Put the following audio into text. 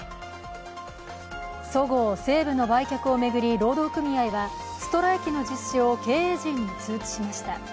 そごう・西武の売却を巡り労働組合はストライキの実施を経営陣に通知しました。